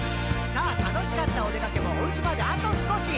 「さぁ楽しかったおでかけもお家まであと少し」